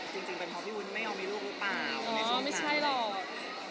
จริงเป็นเพราะว่าพี่วุ้นไม่เอามีลูกหรือเปล่า